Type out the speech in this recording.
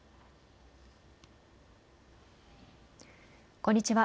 こんにちは。